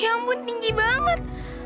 ya ampun tinggi banget